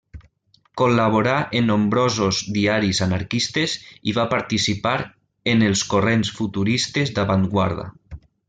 Col·laborà en nombrosos diaris anarquistes i va participar en els corrents futuristes d'avantguarda.